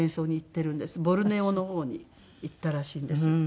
ボルネオの方に行ったらしいんですけど。